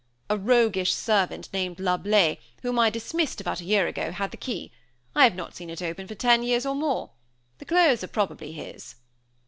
A roguish servant, named Lablais, whom I dismissed about a year ago, had the key. I have not seen it open for ten years or more. The clothes are probably his."